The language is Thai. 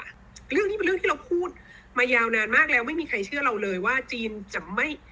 เรื่องนี้เป็นเรื่องที่เราพูดมายาวนานมากแล้วไม่มีใครเชื่อเราเลยว่าจีนจะไม่